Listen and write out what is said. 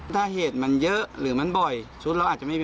ถ้าเหตุมันเยอะหรือมันบ่อยชุดเราอาจจะไม่มี